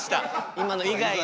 今の以外で。